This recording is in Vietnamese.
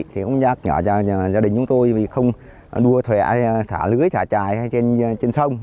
cũng nhắc nhở cho gia đình chúng tôi vì không đua thẻ thả lưới thả chài trên sông